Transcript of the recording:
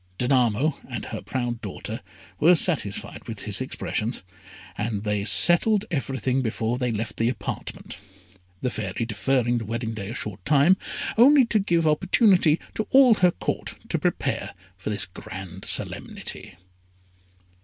Danamo and her proud daughter were satisfied with his expressions, and they settled everything before they left the apartment, the Fairy deferring the wedding day a short time, only to give opportunity to all her Court to prepare for this grand solemnity.